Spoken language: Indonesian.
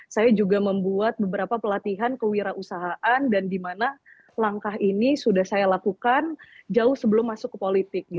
saya juga membuat beberapa pelatihan kewirausahaan dan di mana langkah ini sudah saya lakukan jauh sebelum masuk ke politik